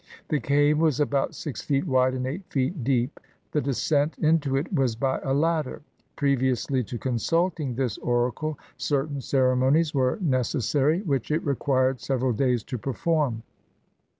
The cave was about six feet wide and eight feet deep. The descent into it was by a ladder. Previously to consulting this oracle certain ceremonies were neces sary, which it required several days to perform.